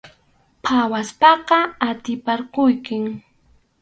Phawaspaqa atiparquykim.